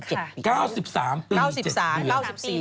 ๙๓ปี